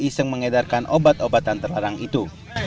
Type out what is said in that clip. iseng mengedarkan obat obatan terlarang itu